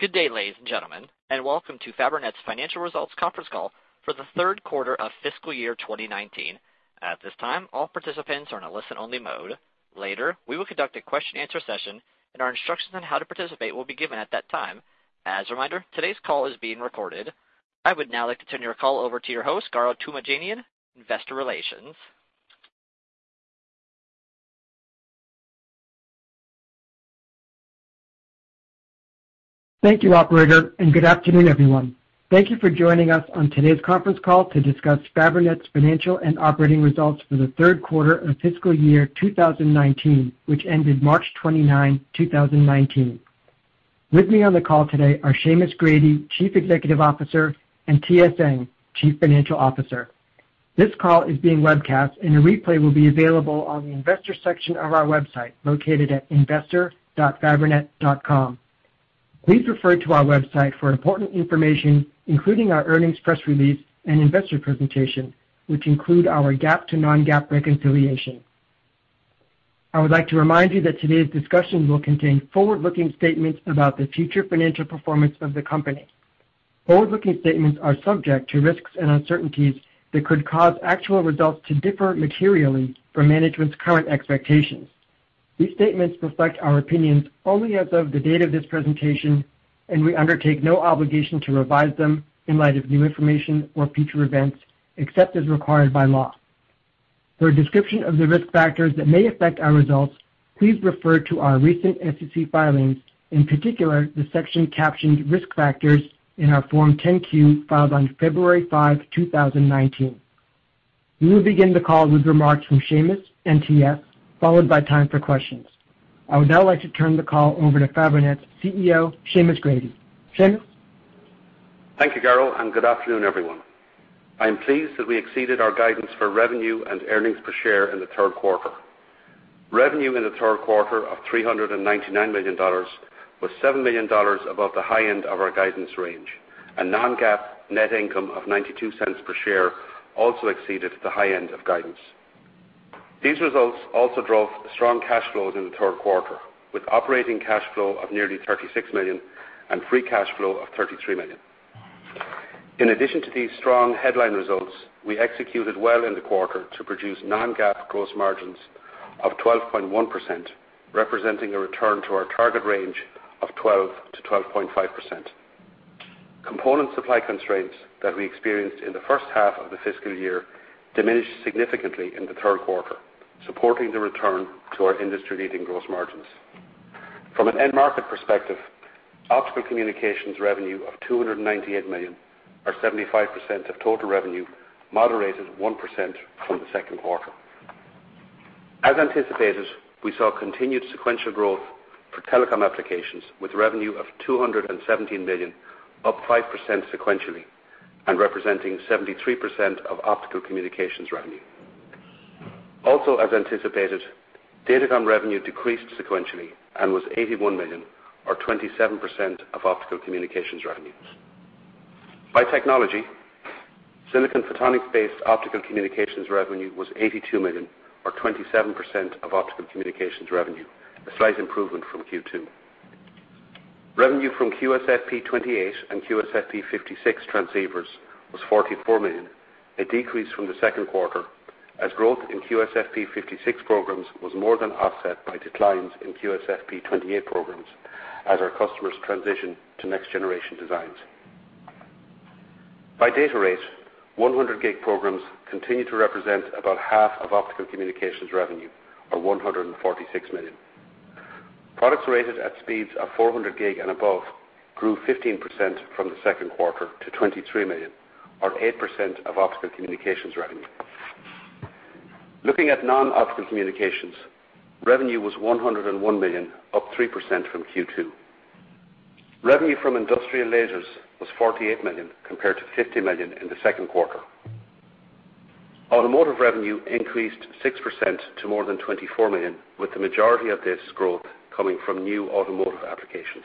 Good day, ladies and gentlemen, and welcome to Fabrinet's financial results conference call for the third quarter of fiscal year 2019. At this time, all participants are in a listen-only mode. Later, we will conduct a question and answer session, and our instructions on how to participate will be given at that time. As a reminder, today's call is being recorded. I would now like to turn your call over to your host, Garo Toomajanian, Investor Relations. Thank you, operator, and good afternoon, everyone. Thank you for joining us on today's conference call to discuss Fabrinet's financial and operating results for the third quarter of fiscal year 2019, which ended March 29, 2019. With me on the call today are Seamus Grady, Chief Executive Officer, and TS Ng, Chief Financial Officer. This call is being webcast, and a replay will be available on the investor section of our website, located at investor.fabrinet.com. Please refer to our website for important information, including our earnings press release and investor presentation, which include our GAAP to non-GAAP reconciliation. I would like to remind you that today's discussion will contain forward-looking statements about the future financial performance of the company. Forward-looking statements are subject to risks and uncertainties that could cause actual results to differ materially from management's current expectations. These statements reflect our opinions only as of the date of this presentation, and we undertake no obligation to revise them in light of new information or future events, except as required by law. For a description of the risk factors that may affect our results, please refer to our recent SEC filings, in particular, the section captioned "Risk Factors" in our Form 10-Q filed on February 5, 2019. We will begin the call with remarks from Seamus and TS, followed by time for questions. I would now like to turn the call over to Fabrinet's CEO, Seamus Grady. Seamus? Thank you, Garo, and good afternoon, everyone. I am pleased that we exceeded our guidance for revenue and earnings per share in the third quarter. Revenue in the third quarter of $399 million was $7 million above the high end of our guidance range, and non-GAAP net income of $0.92 per share also exceeded the high end of guidance. These results also drove strong cash flows in the third quarter, with operating cash flow of nearly $36 million and free cash flow of $33 million. In addition to these strong headline results, we executed well in the quarter to produce non-GAAP gross margins of 12.1%, representing a return to our target range of 12%-12.5%. Component supply constraints that we experienced in the first half of the fiscal year diminished significantly in the third quarter, supporting the return to our industry-leading gross margins. From an end market perspective, Optical Communications revenue of $298 million, or 75% of total revenue, moderated 1% from the second quarter. As anticipated, we saw continued sequential growth for Telecom applications with revenue of $217 million, up 5% sequentially, and representing 73% of Optical Communications revenue. Also, as anticipated, Datacom revenue decreased sequentially and was $81 million, or 27%, of Optical Communications revenues. By technology, silicon photonics-based Optical Communications revenue was $82 million, or 27%, of Optical Communications revenue, a slight improvement from Q2. Revenue from QSFP28 and QSFP56 transceivers was $44 million, a decrease from the second quarter, as growth in QSFP56 programs was more than offset by declines in QSFP28 programs as our customers transition to next-generation designs. By data rate, 100G programs continue to represent about half of Optical Communications revenue, or $146 million. Products rated at speeds of 400G and above grew 15% from the second quarter to $23 million, or 8% of Optical Communications revenue. Looking at Non-Optical Communications, revenue was $101 million, up 3% from Q2. Revenue from Industrial Lasers was $48 million compared to $50 million in the second quarter. Automotive revenue increased 6% to more than $24 million, with the majority of this growth coming from new Automotive applications.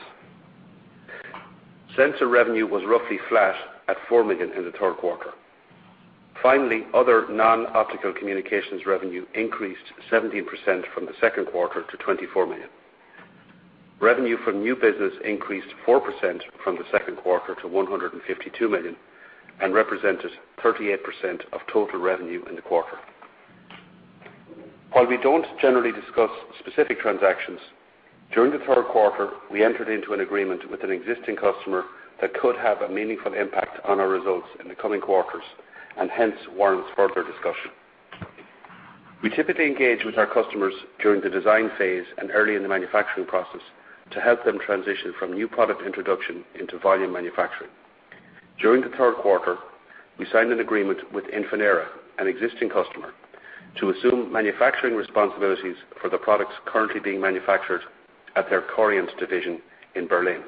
Sensor revenue was roughly flat at $4 million in the third quarter. Finally, other Non-Optical Communications revenue increased 17% from the second quarter to $24 million. Revenue from new business increased 4% from the second quarter to $152 million and represented 38% of total revenue in the quarter. While we don't generally discuss specific transactions, during the third quarter, we entered into an agreement with an existing customer that could have a meaningful impact on our results in the coming quarters, and hence warrants further discussion. We typically engage with our customers during the design phase and early in the manufacturing process to help them transition from new product introduction into volume manufacturing. During the third quarter, we signed an agreement with Infinera, an existing customer, to assume manufacturing responsibilities for the products currently being manufactured at their Coriant division in Berlin.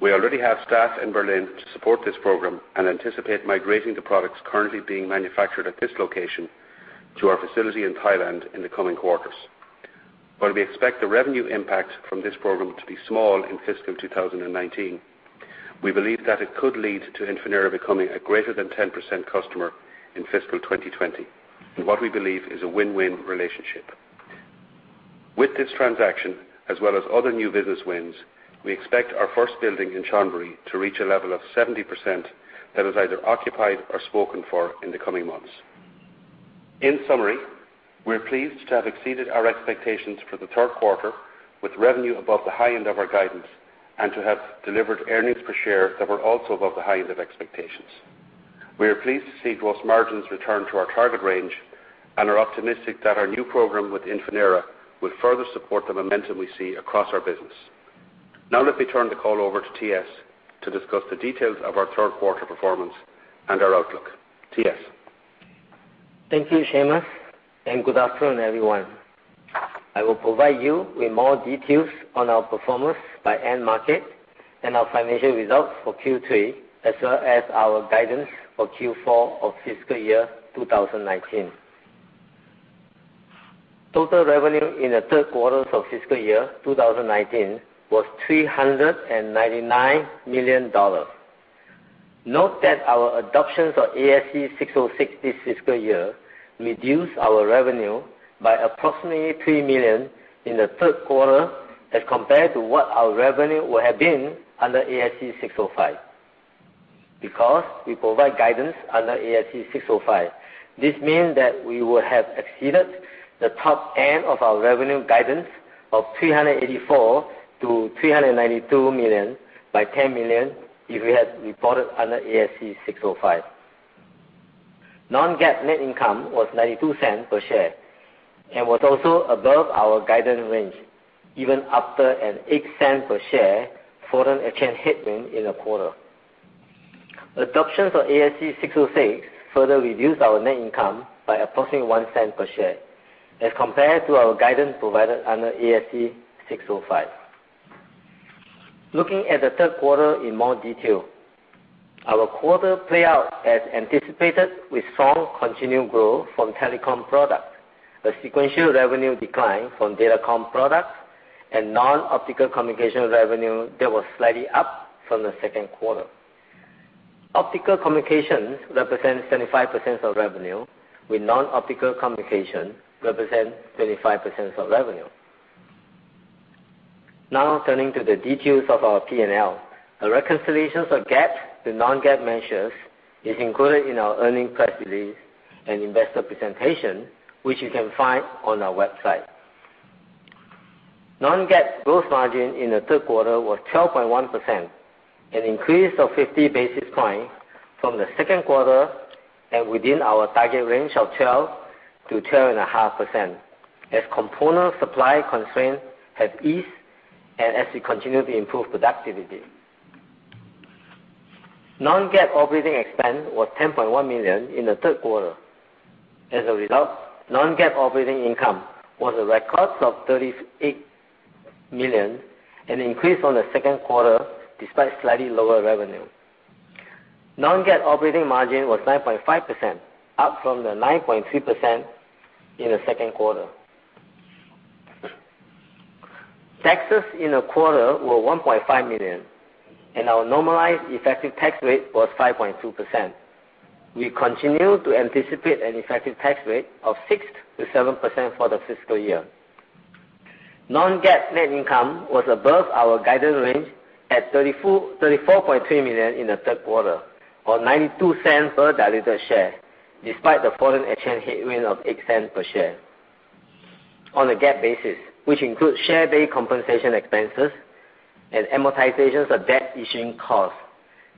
We already have staff in Berlin to support this program and anticipate migrating the products currently being manufactured at this location to our facility in Thailand in the coming quarters. While we expect the revenue impact from this program to be small in fiscal 2019, we believe that it could lead to Infinera becoming a greater than 10% customer in fiscal 2020, in what we believe is a win-win relationship. With this transaction, as well as other new business wins, we expect our first building in Chonburi to reach a level of 70% that is either occupied or spoken for in the coming months. In summary, we're pleased to have exceeded our expectations for the third quarter, with revenue above the high end of our guidance, and to have delivered earnings per share that were also above the high end of expectations. We are pleased to see gross margins return to our target range and are optimistic that our new program with Infinera will further support the momentum we see across our business. Now let me turn the call over to TS to discuss the details of our third quarter performance and our outlook. TS. Thank you, Seamus, and good afternoon, everyone. I will provide you with more details on our performance by end market and our financial results for Q3, as well as our guidance for Q4 of fiscal year 2019. Total revenue in the third quarter of fiscal year 2019 was $399 million. Note that our adoption of ASC 606 this fiscal year reduced our revenue by approximately $3 million in the third quarter as compared to what our revenue would have been under ASC 605. Because we provide guidance under ASC 605, this means that we would have exceeded the top end of our revenue guidance of $384 million-$392 million by $10 million if we had reported under ASC 605. Non-GAAP net income was $0.92 per share and was also above our guidance range, even after an $0.08 per share foreign exchange headwind in the quarter. Adoption of ASC 606 further reduced our net income by approximately $0.01 per share as compared to our guidance provided under ASC 605. Looking at the third quarter in more detail, our quarter played out as anticipated with strong continued growth from Telecom product, a sequential revenue decline from Datacom products, and Non-Optical Communications revenue that was slightly up from the second quarter. Optical Communications represents 75% of revenue, with Non-Optical Communications represent 25% of revenue. Now turning to the details of our P&L. A reconciliation of GAAP to non-GAAP measures is included in our earnings press release and investor presentation, which you can find on our website. Non-GAAP gross margin in the third quarter was 12.1%, an increase of 50 basis points from the second quarter and within our target range of 12%-12.5%, as component supply constraints have eased and as we continue to improve productivity. Non-GAAP operating expense was $10.1 million in the third quarter. As a result, non-GAAP operating income was a record of $38 million, an increase on the second quarter despite slightly lower revenue. Non-GAAP operating margin was 9.5%, up from the 9.3% in the second quarter. Taxes in the quarter were $1.5 million, and our normalized effective tax rate was 5.2%. We continue to anticipate an effective tax rate of 6%-7% for the fiscal year. Non-GAAP net income was above our guidance range at $34.3 million in the third quarter, or $0.92 per diluted share, despite the foreign exchange headwind of $0.08 per share. On a GAAP basis, which includes share-based compensation expenses and amortization of debt issuing costs,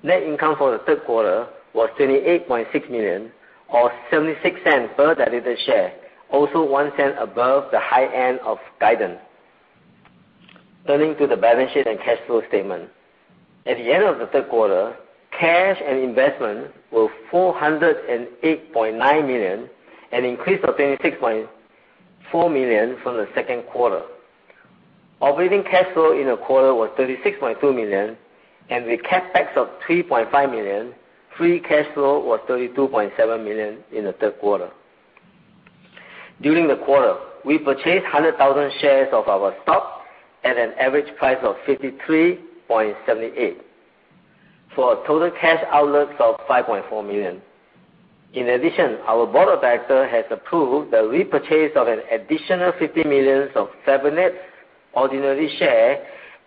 net income for the third quarter was $28.6 million or $0.76 per diluted share, also $0.01 above the high end of guidance. Turning to the balance sheet and cash flow statement. At the end of the third quarter, cash and investment were $408.9 million, an increase of $26.4 million from the second quarter. Operating cash flow in the quarter was $36.2 million. With CapEx of $3.5 million, free cash flow was $32.7 million in the third quarter. During the quarter, we purchased 100,000 shares of our stock at an average price of $53.78 for a total cash outlay of $5.4 million. In addition, our board of directors has approved the repurchase of an additional $50 million of Fabrinet ordinary shares,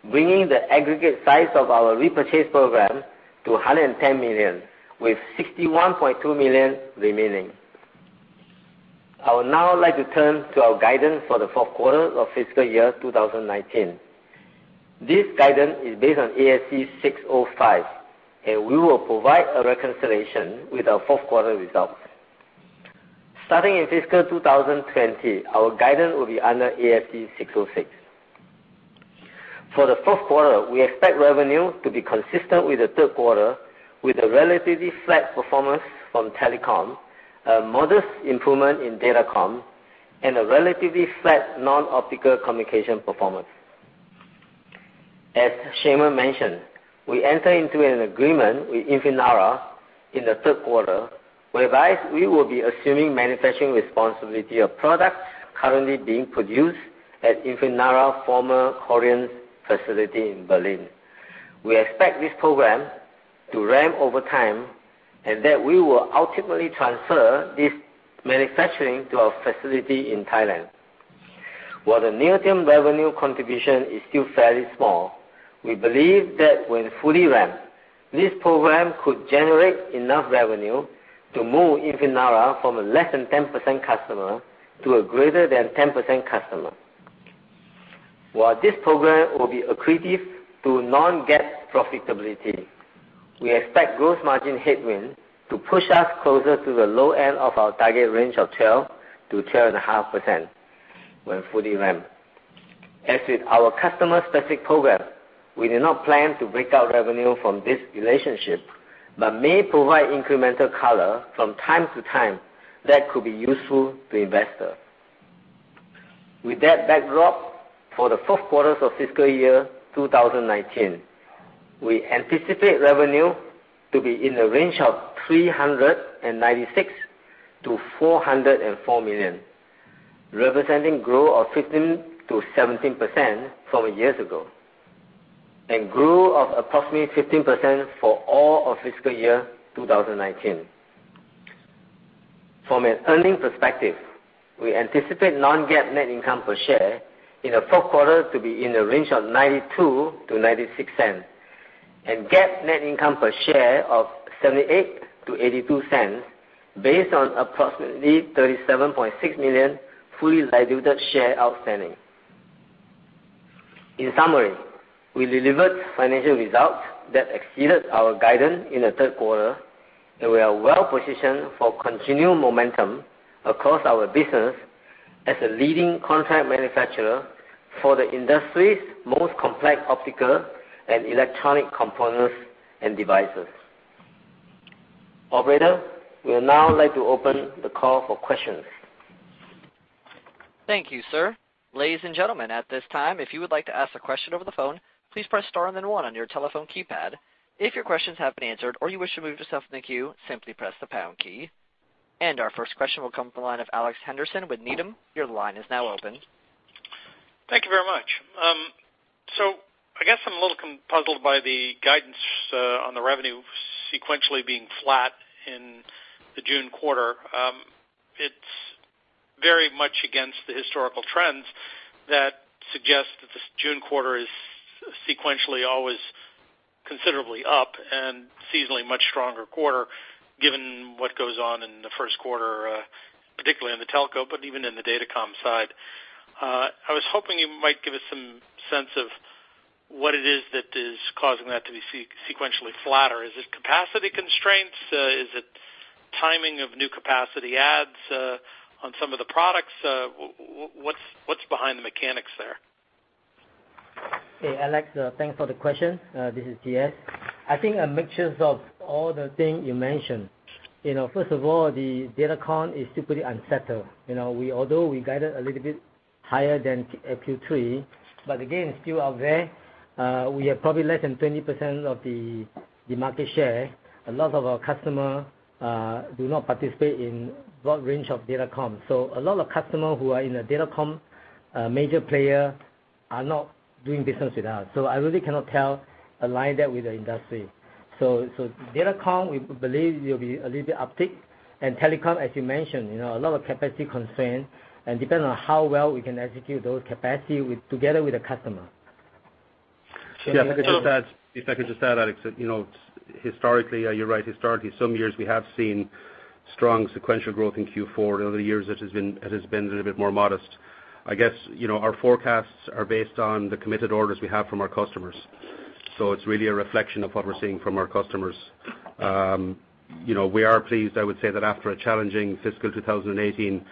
bringing the aggregate size of our repurchase program to $110 million, with $61.2 million remaining. I would now like to turn to our guidance for the fourth quarter of fiscal year 2019. This guidance is based on ASC 605. We will provide a reconciliation with our fourth quarter results. Starting in fiscal 2020, our guidance will be under ASC 606. For the fourth quarter, we expect revenue to be consistent with the third quarter, with a relatively flat performance from Telecom, a modest improvement in Datacom, and a relatively flat Non-Optical Communications performance. As Seamus mentioned, we entered into an agreement with Infinera in the third quarter, whereby we will be assuming manufacturing responsibility of products currently being produced at Infinera's former Coriant facility in Berlin. We expect this program to ramp over time, and that we will ultimately transfer this manufacturing to our facility in Thailand. While the near-term revenue contribution is still fairly small, we believe that when fully ramped, this program could generate enough revenue to move Infinera from a less than 10% customer to a greater than 10% customer. While this program will be accretive to non-GAAP profitability, we expect gross margin headwind to push us closer to the low end of our target range of 12%-12.5% when fully ramped. As with our customer-specific program, we do not plan to break out revenue from this relationship but may provide incremental color from time to time that could be useful to investors. With that backdrop, for the fourth quarter of fiscal year 2019, we anticipate revenue to be in the range of $396 million-$404 million, representing growth of 15%-17% from a year ago, and growth of approximately 15% for all of fiscal year 2019. From an earnings perspective, we anticipate non-GAAP net income per share in the fourth quarter to be in the range of $0.92-$0.96, and GAAP net income per share of $0.78-$0.82, based on approximately 37.6 million fully diluted shares outstanding. In summary, we delivered financial results that exceeded our guidance in the third quarter, and we are well-positioned for continued momentum across our business as a leading contract manufacturer for the industry's most complex optical and electronic components and devices. Operator, we would now like to open the call for questions. Thank you, sir. Ladies and gentlemen, at this time, if you would like to ask a question over the phone, please press star and then one on your telephone keypad. If your questions have been answered or you wish to remove yourself from the queue, simply press the pound key. Our first question will come from the line of Alex Henderson with Needham. Your line is now open. Thank you very much. I guess I'm a little puzzled by the guidance on the revenue sequentially being flat in the June quarter. It's very much against the historical trends that suggest that this June quarter is sequentially always considerably up and seasonally a much stronger quarter, given what goes on in the first quarter, particularly in the Telecom, but even in the Datacom side. I was hoping you might give us some sense of what it is that is causing that to be sequentially flatter. Is it capacity constraints? Is it timing of new capacity adds on some of the products? What's behind the mechanics there? Hey, Alex. Thanks for the question. This is TS I think a mixtures of all the things you mentioned. First of all, the Datacom is still pretty unsettled. Although we guided a little bit higher than Q3, but again, still out there, we have probably less than 20% of the market share. A lot of our customers do not participate in broad range of Datacom. A lot of customers who are in the Datacom, major players, are not doing business with us. I really cannot tell, align that with the industry. Datacom, we believe will be a little bit uptick. Telecom, as you mentioned, a lot of capacity constraints, and depending on how well we can execute those capacity together with the customer. If I could just add, Alex, historically, you're right. Historically, some years we have seen strong sequential growth in Q4. In other years, it has been a little bit more modest. I guess our forecasts are based on the committed orders we have from our customers. It's really a reflection of what we're seeing from our customers. We are pleased, I would say that after a challenging fiscal 2018,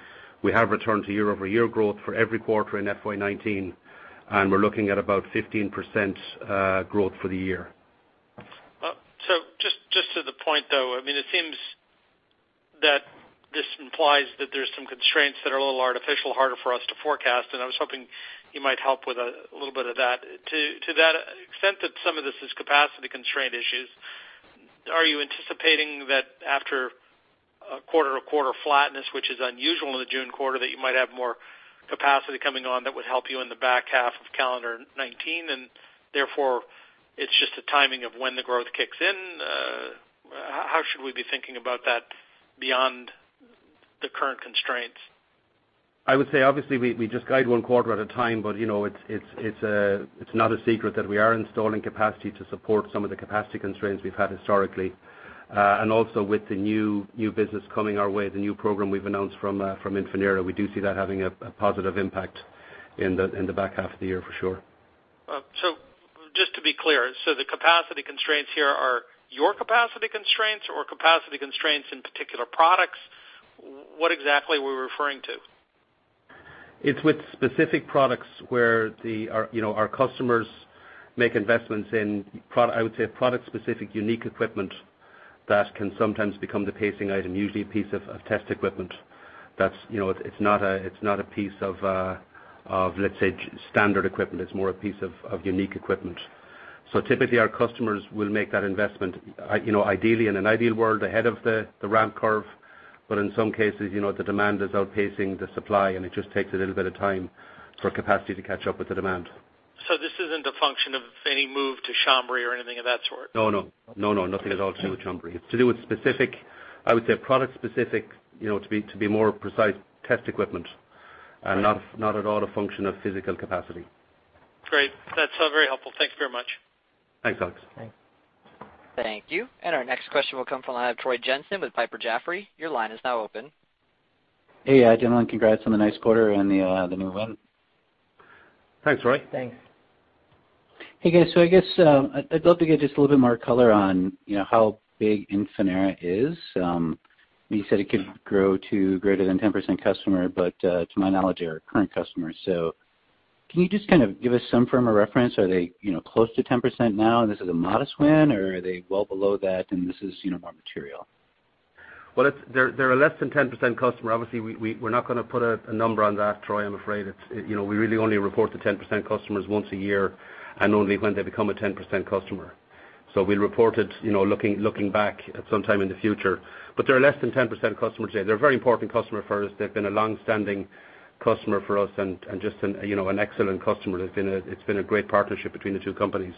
we have returned to year-over-year growth for every quarter in FY 2019, and we're looking at about 15% growth for the year. Just to the point, though, it seems that this implies that there's some constraints that are a little artificial, harder for us to forecast, and I was hoping you might help with a little bit of that. To that extent that some of this is capacity constraint issues, are you anticipating that after a quarter-over-quarter flatness, which is unusual in the June quarter, that you might have more capacity coming on that would help you in the back half of calendar 2019, Therefore it's just a timing of when the growth kicks in? How should we be thinking about that beyond the current constraints? I would say, obviously, we just guide one quarter at a time, It's not a secret that we are installing capacity to support some of the capacity constraints we've had historically. Also with the new business coming our way, the new program we've announced from Infinera, we do see that having a positive impact in the back half of the year for sure. Just to be clear, the capacity constraints here are your capacity constraints or capacity constraints in particular products? What exactly are we referring to? It's with specific products where our customers make investments in, I would say, product-specific unique equipment that can sometimes become the pacing item, usually a piece of test equipment. It's not a piece of, let's say, standard equipment. It's more a piece of unique equipment. Typically, our customers will make that investment, ideally, in an ideal world, ahead of the ramp curve. In some cases, the demand is outpacing the supply, It just takes a little bit of time for capacity to catch up with the demand. This isn't a function of any move to Chonburi or anything of that sort? No. Nothing at all to do with Chonburi. It's to do with specific, I would say, product-specific, to be more precise, test equipment. Not at all a function of physical capacity. Great. That's all very helpful. Thank you very much. Thanks, Alex. Thanks. Thank you. Our next question will come from the line of Troy Jensen with Piper Jaffray. Your line is now open. Hey, gentlemen. Congrats on the nice quarter and the new one. Thanks, Troy. Thanks. Hey, guys. I guess, I'd love to get just a little bit more color on how big Infinera is. You said it could grow to greater than 10% customer, to my knowledge, they're a current customer. Can you just kind of give us some firmer reference? Are they close to 10% now and this is a modest win, or are they well below that and this is more material? Well, they're a less than 10% customer. Obviously, we're not going to put a number on that, Troy, I'm afraid. We really only report the 10% customers once a year and only when they become a 10% customer. We'll report it looking back at some time in the future. They're less than 10% customer today. They're a very important customer for us. They've been a long-standing customer for us and just an excellent customer. It's been a great partnership between the two companies.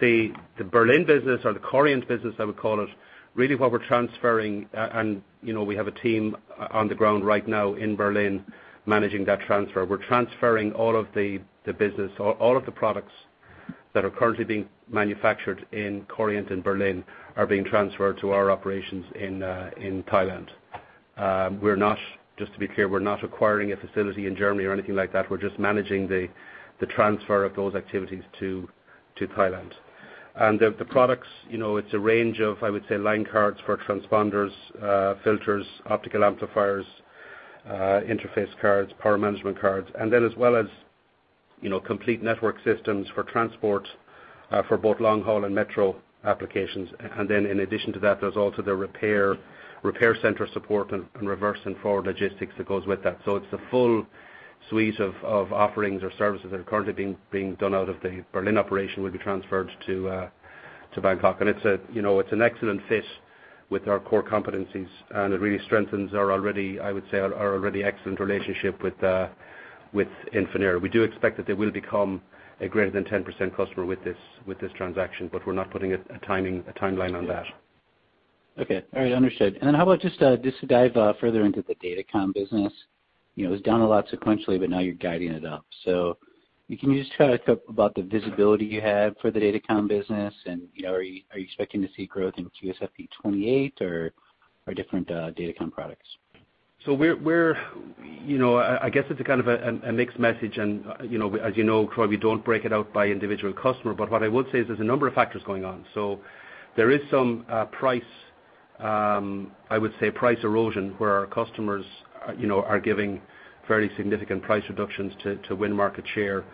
The Berlin business or the Coriant business, I would call it, really what we're transferring, and we have a team on the ground right now in Berlin managing that transfer. We're transferring all of the business, all of the products that are currently being manufactured in Coriant in Berlin are being transferred to our operations in Thailand. Just to be clear, we're not acquiring a facility in Germany or anything like that. We're just managing the transfer of those activities to Thailand. The products, it's a range of, I would say, line cards for transponders, filters, optical amplifiers, interface cards, power management cards, and then as well as complete network systems for transport for both long-haul and metro applications. In addition to that, there's also the repair center support and reverse and forward logistics that goes with that. It's the full suite of offerings or services that are currently being done out of the Berlin operation will be transferred to Bangkok. It's an excellent fit with our core competencies, and it really strengthens our already, I would say, our already excellent relationship with Infinera. We do expect that they will become a greater than 10% customer with this transaction, we're not putting a timeline on that. Okay. All right. Understood. How about just to dive further into the Datacom business. It was down a lot sequentially, now you're guiding it up. Can you just talk about the visibility you have for the Datacom business, and are you expecting to see growth in QSFP28 or different Datacom products? I guess it's a kind of a mixed message, and as you know, Troy, we don't break it out by individual customer, but what I would say is there's a number of factors going on. There is some price, I would say, price erosion where our customers are giving very significant price reductions to win market share.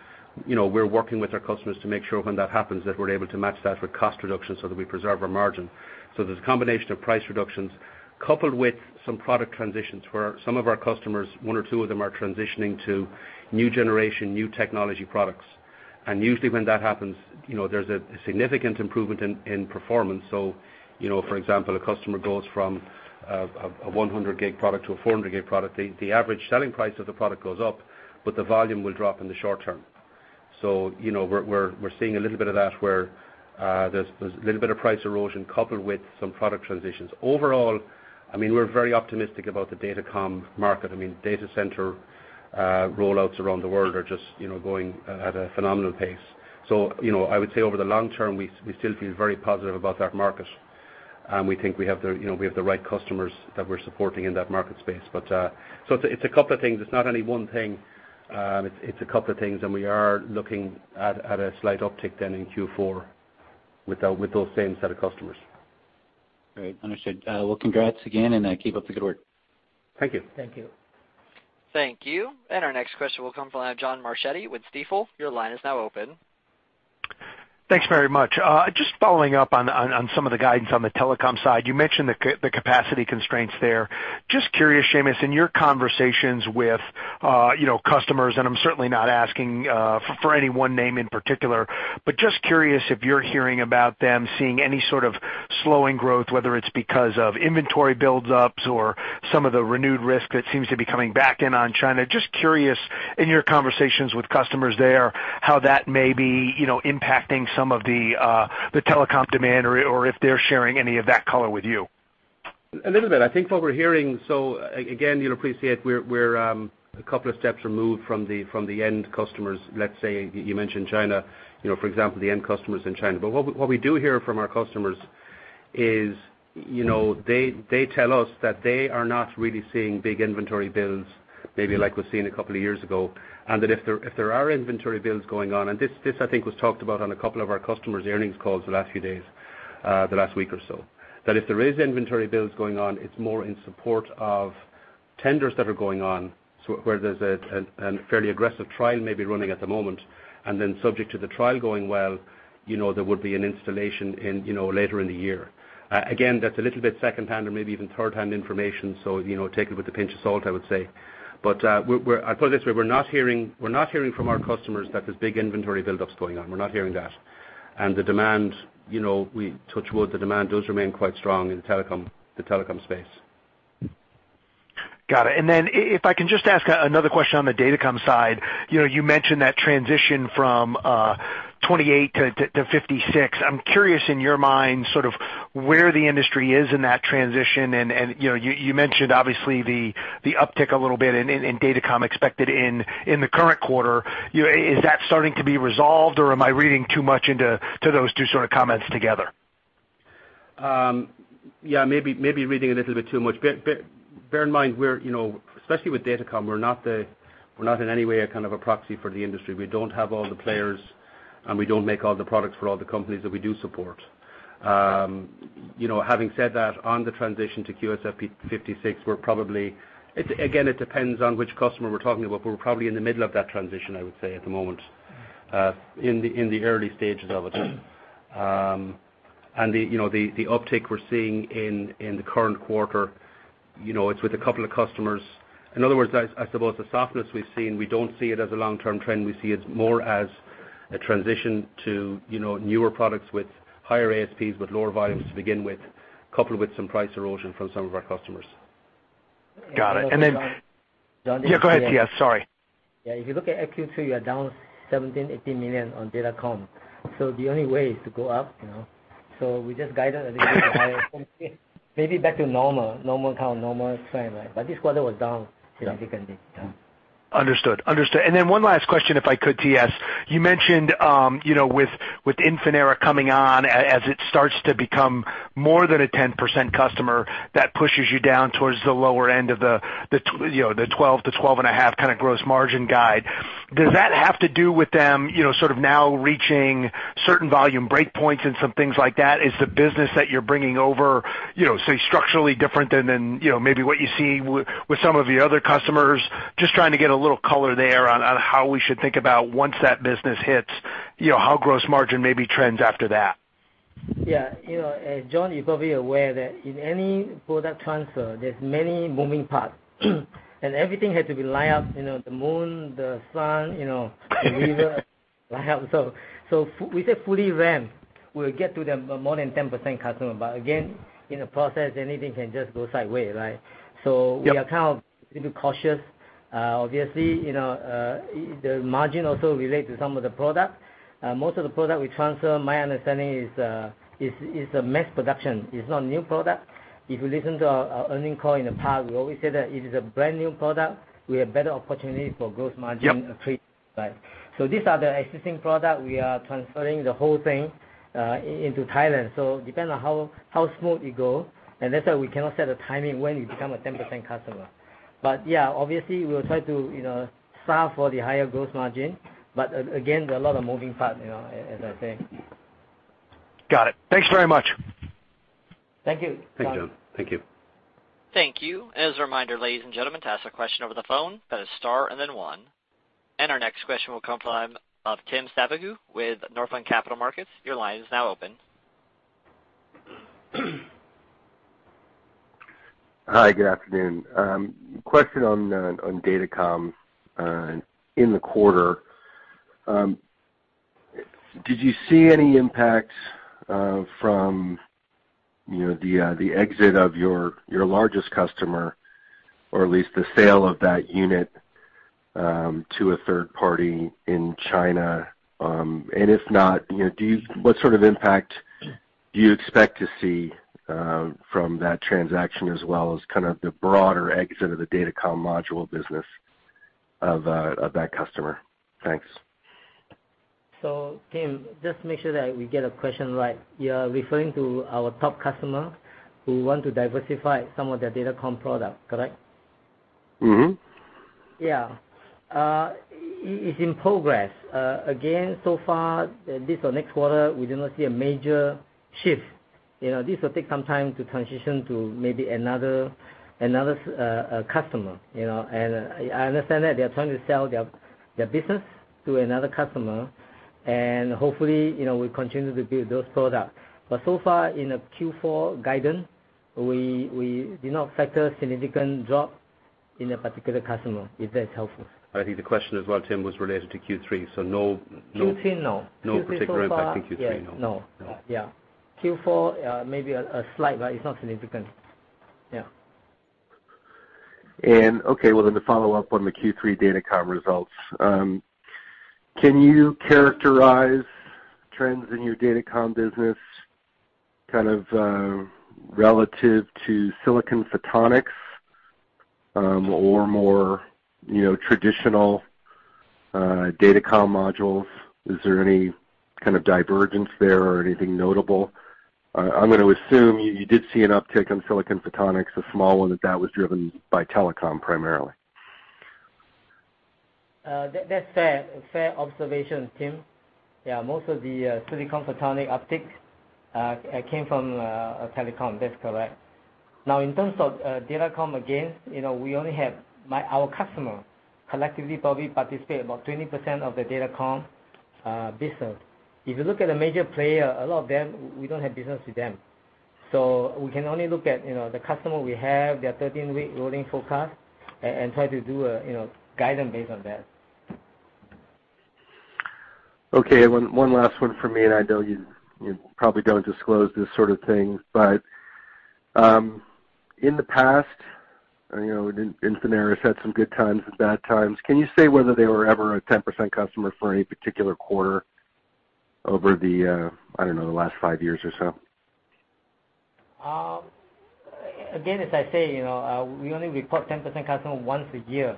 We're working with our customers to make sure when that happens, that we're able to match that with cost reductions so that we preserve our margin. There's a combination of price reductions coupled with some product transitions where some of our customers, one or two of them, are transitioning to new generation, new technology products. Usually when that happens, there's a significant improvement in performance. For example, a customer goes from a 100G product to a 400G product. The average selling price of the product goes up, the volume will drop in the short term. We're seeing a little bit of that where there's a little bit of price erosion coupled with some product transitions. Overall, we're very optimistic about the Datacom market. Data center rollouts around the world are just going at a phenomenal pace. I would say over the long term, we still feel very positive about that market, and we think we have the right customers that we're supporting in that market space. It's a couple of things. It's not only one thing. It's a couple of things, and we are looking at a slight uptick then in Q4 with those same set of customers. All right. Understood. Well, congrats again, keep up the good work. Thank you. Thank you. Thank you. Our next question will come from the line of John Marchetti with Stifel. Your line is now open. Thanks very much. Just following up on some of the guidance on the telecom side, you mentioned the capacity constraints there. Just curious, Seamus, in your conversations with customers, I'm certainly not asking for any one name in particular, just curious if you're hearing about them seeing any sort of slowing growth, whether it's because of inventory buildups or some of the renewed risk that seems to be coming back in on China. Just curious, in your conversations with customers there, how that may be impacting some of the telecom demand or if they're sharing any of that color with you. A little bit. I think what we're hearing, again, you'll appreciate we're a couple of steps removed from the end customers, let's say, you mentioned China, for example, the end customers in China. What we do hear from our customers is they tell us that they are not really seeing big inventory builds maybe like we've seen a couple of years ago, that if there are inventory builds going on, this I think was talked about on a couple of our customers' earnings calls the last few days, the last week or so, that if there is inventory builds going on, it's more in support of tenders that are going on where there's a fairly aggressive trial maybe running at the moment, then subject to the trial going well, there would be an installation later in the year. That's a little bit secondhand or maybe even thirdhand information. Take it with a pinch of salt, I would say. I'll put it this way, we're not hearing from our customers that there's big inventory buildups going on. We're not hearing that. The demand, we touch wood, the demand does remain quite strong in the Telecom space. If I can just ask another question on the Datacom side. You mentioned that transition from 28 to 56. I'm curious in your mind, sort of where the industry is in that transition, you mentioned obviously the uptick a little bit in Datacom expected in the current quarter. Is that starting to be resolved or am I reading too much into those two sort of comments together? Maybe reading a little bit too much. Bear in mind, especially with Datacom, we're not in any way a kind of a proxy for the industry. We don't have all the players, and we don't make all the products for all the companies that we do support. Having said that, on the transition to QSFP56, we're probably, again, it depends on which customer we're talking about, but we're probably in the middle of that transition, I would say, at the moment, in the early stages of it. The uptick we're seeing in the current quarter, it's with a couple of customers. In other words, I suppose the softness we've seen, we don't see it as a long-term trend. We see it more as a transition to newer products with higher ASPs, with lower volumes to begin with, coupled with some price erosion from some of our customers. Got it. John? Yeah, go ahead, TS Sorry. Yeah. If you look at Q2, you are down $17 million, $18 million on Datacom. The only way is to go up. We just guided a little bit higher, maybe back to normal count, normal trend. This quarter was down significantly. Yeah. Understood. One last question, if I could, TS, you mentioned, with Infinera coming on, as it starts to become more than a 10% customer, that pushes you down towards the lower end of the 12%-12.5% kind of gross margin guide. Does that have to do with them sort of now reaching certain volume breakpoints and some things like that? Is the business that you're bringing over, say, structurally different than maybe what you see with some of your other customers? Just trying to get a little color there on how we should think about once that business hits, how gross margin maybe trends after that. Yeah. John, you're probably aware that in any product transfer, there's many moving parts. Everything had to be lined up, the moon, the sun, the river. We say fully ramped, we'll get to the more than 10% customer. Again, in the process, anything can just go sideways. We are kind of a little cautious. Obviously, the margin also relates to some of the product. Most of the product we transfer, my understanding is, it's a mass production. It's not new product. If you listen to our earning call in the past, we always say that if it's a brand-new product, we have better opportunity for gross margin- Yep increase. These are the existing product. We are transferring the whole thing into Thailand. It depends on how smooth it goes. That's why we cannot set a timing when we become a 10% customer. Yeah, obviously, we'll try to solve for the higher gross margin. Again, there are a lot of moving parts, as I say. Got it. Thanks very much. Thank you. Thanks, John. Thank you. Thank you. As a reminder, ladies and gentlemen, to ask a question over the phone, press star and then one. Our next question will come from Tim Savageaux with Northland Capital Markets. Your line is now open. Hi, good afternoon. Question on Datacom in the quarter. Did you see any impacts from the exit of your largest customer, or at least the sale of that unit, to a third party in China? If not, what sort of impact do you expect to see from that transaction as well as kind of the broader exit of the Datacom module business of that customer? Thanks. Tim, just make sure that we get the question right. You are referring to our top customer who want to diversify some of their Datacom product, correct? Yeah. It's in progress. Again, so far, this or next quarter, we do not see a major shift. This will take some time to transition to maybe another customer. I understand that they're trying to sell their business to another customer, and hopefully, we continue to build those products. So far, in the Q4 guidance, we did not factor a significant drop in a particular customer, if that is helpful. I think the question as well, Tim, was related to Q3. Q3, no No particular impact in Q3, no. Q3 so far, yeah, no. No. Yeah. Q4, maybe a slight, but it's not significant. Yeah. Okay, well then to follow up on the Q3 Datacom results. Can you characterize trends in your Datacom business kind of relative to silicon photonics, or more traditional Datacom modules? Is there any kind of divergence there or anything notable? I'm going to assume you did see an uptick on silicon photonics, a small one, that was driven by telecom primarily. That's a fair observation, Tim. Yeah, most of the silicon photonics uptick came from telecom. That's correct. Now, in terms of Datacom, again, our customer collectively probably participate about 20% of the Datacom business. If you look at a major player, a lot of them, we don't have business with them. So we can only look at the customer we have, their 13-week rolling forecast, and try to do a guidance based on that. Okay. One last one from me, and I know you probably don't disclose this sort of thing, but in the past, Infinera's had some good times and bad times. Can you say whether they were ever a 10% customer for any particular quarter over the, I don't know, last five years or so? Again, as I say, we only report 10% customer once a year.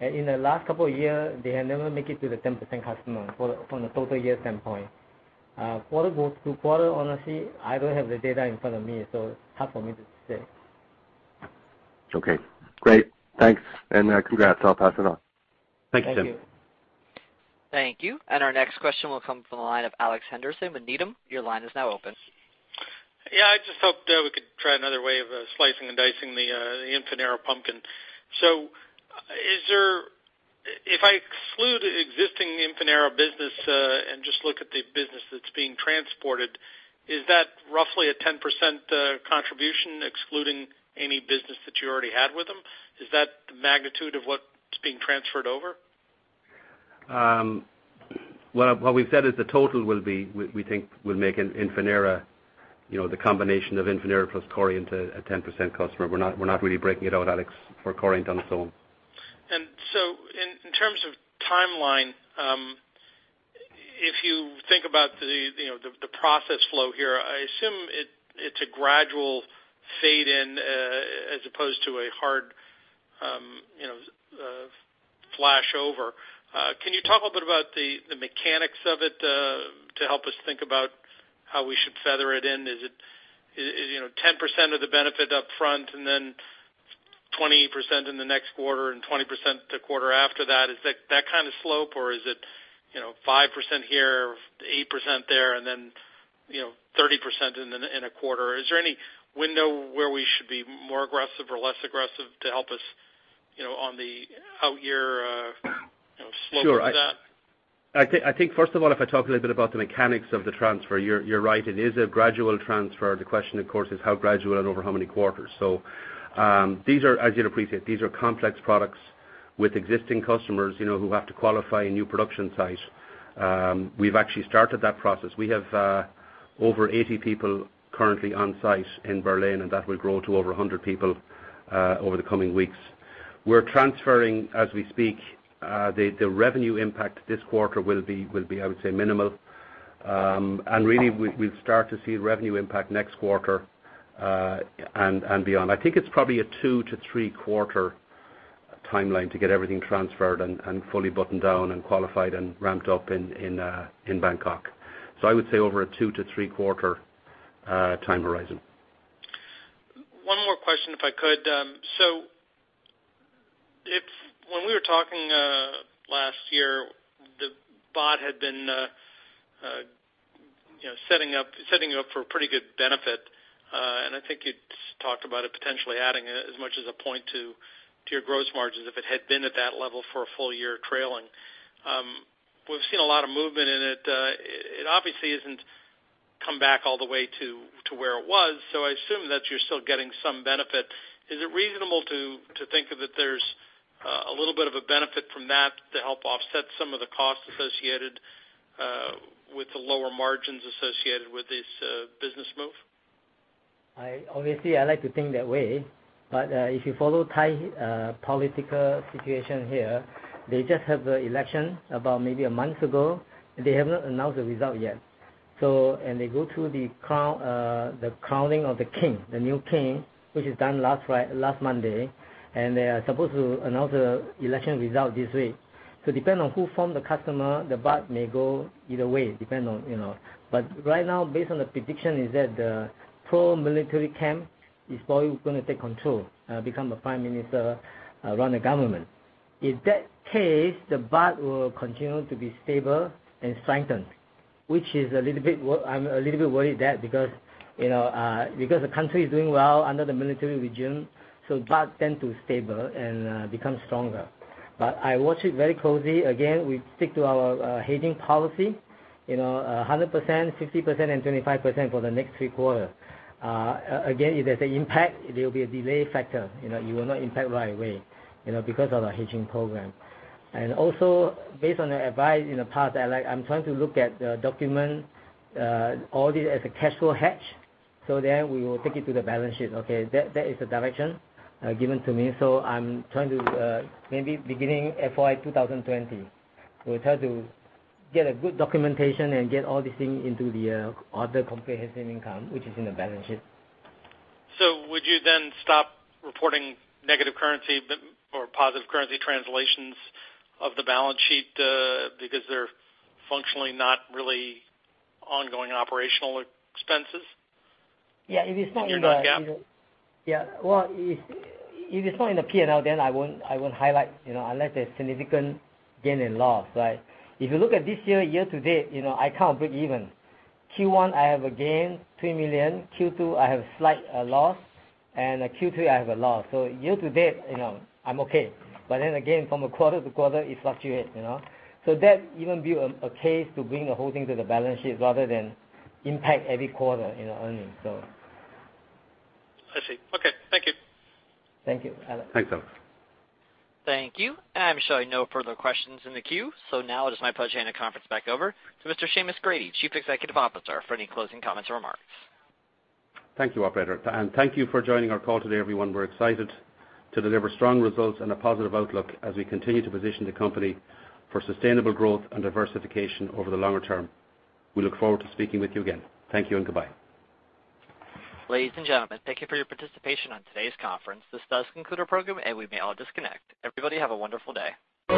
In the last couple of years, they have never make it to the 10% customer from a total year standpoint. quarter-to-quarter, honestly, I don't have the data in front of me, so it's hard for me to say. Okay, great. Thanks. Congrats. I'll pass it on. Thank you, Tim. Thank you. Thank you. Our next question will come from the line of Alex Henderson with Needham. Your line is now open. Yeah, I just hoped we could try another way of slicing and dicing the Infinera pumpkin. If I exclude existing Infinera business and just look at the business that's being transported, is that roughly a 10% contribution, excluding any business that you already had with them? Is that the magnitude of what's being transferred over? What we've said is the total we think will make Infinera, the combination of Infinera plus Coriant, a 10% customer. We're not really breaking it out, Alex, for Coriant on its own. In terms of timeline, if you think about the process flow here, I assume it's a gradual fade in as opposed to a hard flash over. Can you talk a bit about the mechanics of it to help us think about how we should feather it in? Is it 10% of the benefit up front and then 20% in the next quarter and 20% the quarter after that? Is it that kind of slope, or is it 5% here, 8% there, and then 30% in a quarter? Is there any window where we should be more aggressive or less aggressive to help us on the out-year slope of that? Sure. First of all, if I talk a little bit about the mechanics of the transfer, you're right, it is a gradual transfer. The question, of course, is how gradual and over how many quarters. As you'd appreciate, these are complex products with existing customers who have to qualify a new production site. We've actually started that process. We have over 80 people currently on site in Berlin, and that will grow to over 100 people over the coming weeks. We're transferring as we speak. The revenue impact this quarter will be, I would say, minimal. We'll start to see revenue impact next quarter and beyond. It's probably a 2- to 3-quarter timeline to get everything transferred and fully buttoned down and qualified and ramped up in Bangkok. I would say over a 2- to 3-quarter time horizon. One more question, if I could. When we were talking last year, the baht had been setting you up for a pretty good benefit. You talked about it potentially adding as much as a point to your gross margins if it had been at that level for a full year trailing. We've seen a lot of movement in it. It obviously isn't come back all the way to where it was, I assume that you're still getting some benefit. Is it reasonable to think that there's a little bit of a benefit from that to help offset some of the costs associated with the lower margins associated with this business move? Obviously, I like to think that way. If you follow Thai political situation here, they just have the election about maybe a month ago. They have not announced the result yet. They go through the crowning of the king, the new king, which is done last Monday, and they are supposed to announce the election result this week. Depend on who form the customer, the baht may go either way, depend on. Right now, based on the prediction, is that the pro-military camp is probably going to take control, become a prime minister, run the government. If that case, the baht will continue to be stable and strengthened, which I'm a little bit worried that because the country is doing well under the military regime, baht tend to stable and become stronger. I watch it very closely. Again, we stick to our hedging policy, 100%, 50% and 25% for the next 3 quarters. If there's an impact, there will be a delay factor. It will not impact right away because of the hedging program. Based on the advice in the past, I'm trying to look at the document, all it as a cash flow hedge, we will take it to the balance sheet. That is the direction given to me. I'm trying to maybe beginning FY 2020, we try to get a good documentation and get all these things into the other comprehensive income, which is in the balance sheet. would you then stop reporting negative currency or positive currency translations of the balance sheet because they're functionally not really ongoing operational expenses? Yeah. In your GAAP? Yeah. If it's not in the P&L, then I won't highlight unless there's significant gain and loss, right? If you look at this year-to-date, I can't break even. Q1, I have a gain, $3 million. Q2, I have slight loss, and at Q3, I have a loss. year-to-date, I'm okay. again, from a quarter-to-quarter, it fluctuates. That even build a case to bring the whole thing to the balance sheet rather than impact every quarter in the earnings. I see. Okay. Thank you. Thank you, Alex. Thanks, Alex. Thank you. I'm showing no further questions in the queue. Now it is my pleasure to hand the conference back over to Mr. Seamus Grady, Chief Executive Officer, for any closing comments or remarks. Thank you, operator. Thank you for joining our call today, everyone. We're excited to deliver strong results and a positive outlook as we continue to position the company for sustainable growth and diversification over the longer term. We look forward to speaking with you again. Thank you and goodbye. Ladies and gentlemen, thank you for your participation on today's conference. This does conclude our program, and we may all disconnect. Everybody have a wonderful day.